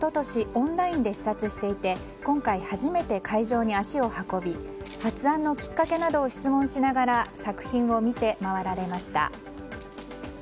オンラインで視察していて今回初めて会場に足を運び発案のきっかけなどを質問しながら作品を見て回られました。